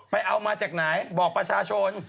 ไปเอามาเป็นจากไหนบอกประชาชน